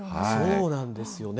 そうなんですよね。